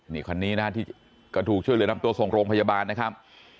นี่คนนี้หน้าที่ก็ถูกช่วยเรียนรับตัวส่งโรงพยาบาลนะครับ